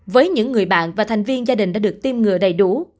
với những người bạn và thành viên gia đình đã được tiêm ngừa đầy đủ